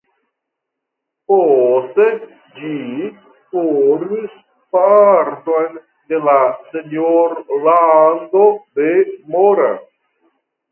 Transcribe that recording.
Poste ĝi formis parton de la senjorlando de Mora.